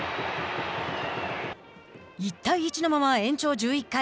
１対１のまま延長１１回。